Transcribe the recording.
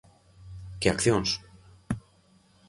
Que accións?